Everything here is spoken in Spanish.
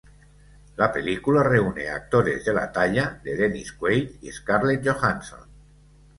La película reúne a actores de la talla de Dennis Quaid y Scarlett Johansson.